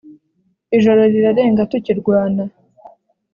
ijoro rirarenga tukirwana